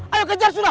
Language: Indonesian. ayo kejar sudah